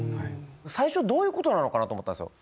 最初どういうことなのかなと思ったんですよ。